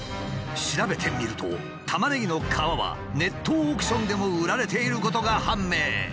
調べてみるとタマネギの皮はネットオークションでも売られていることが判明。